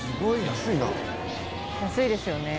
安いですよね。